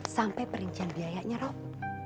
sampai perincian biayanya rob